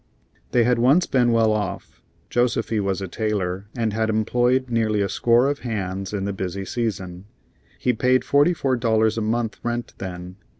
They had once been well off. Josefy was a tailor, and had employed nearly a score of hands in the busy season. He paid forty four dollars a month rent then.